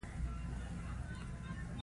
اخیسته د ساه غړپ غړپ ترخې اوبه وې